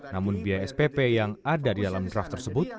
namun biaya spp yang ada di dalam draft tersebut